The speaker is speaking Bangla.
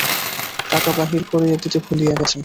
টাকা বাহির করিয়া দিতে ভুলিয়া গেছেন।